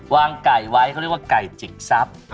วางไก่ไว้เขาเรียกว่าไก่จิกซับ